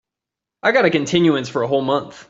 I got a continuance for a whole month.